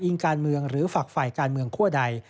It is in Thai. การเมืองหรือฝักฝ่ายการเมืองคั่วใด